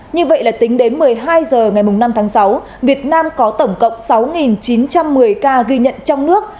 như vậy là tính đến một mươi hai h ngày năm tháng sáu việt nam có tổng cộng sáu chín trăm một mươi ca ghi nhận trong nước